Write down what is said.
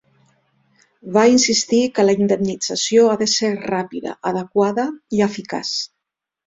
Va insistir que la indemnització ha de ser "ràpida, adequada i eficaç".